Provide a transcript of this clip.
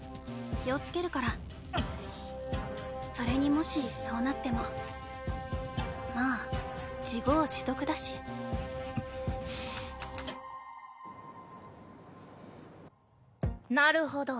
気をつけるからんっそれにもしそうなってもまあ自業自得だしくっなるほど。